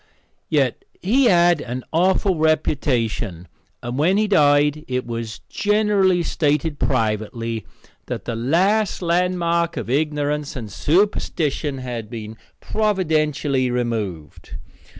Yet he had an awful reputation, and when he died it was generally stated privately that the last landmark of ignorance and superstition had been providentially removed.